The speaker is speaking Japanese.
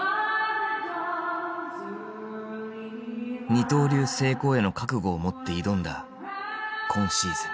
二刀流成功への覚悟を持って挑んだ今シーズン。